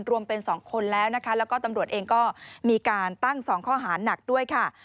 รวมเป็น๒คนแล้วนะคะแล้วก็ตำรวจเองก็มีการตั้ง๒ข้อหาหนักด้วยค่ะ